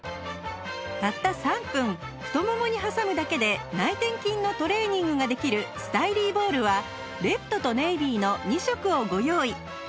たった３分太ももに挟むだけで内転筋のトレーニングができるスタイリーボールはレッドとネイビーの２色をご用意